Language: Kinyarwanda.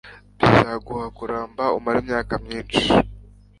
bizaguha kuramba umare imyaka myinshi